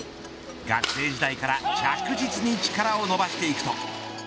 学生時代から着実に力を伸ばしていくと。